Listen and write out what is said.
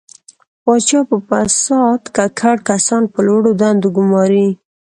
پاچا په فساد ککړ کسان په لوړو دندو ګماري.